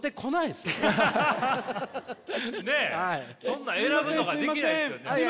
そんな選ぶとかできないですよね。